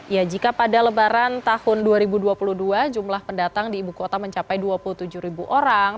ya jika pada lebaran tahun dua ribu dua puluh dua jumlah pendatang di ibu kota mencapai dua puluh tujuh ribu orang